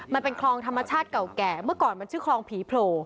มันเป็นคลองธรรมชาติเก่าแก่เมื่อก่อนมันชื่อคลองผีโผล่